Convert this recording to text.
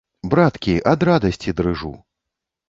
Браткі, ад радасці дрыжу.